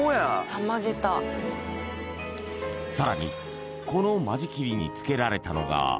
さらにこの間仕切りにつけられたのが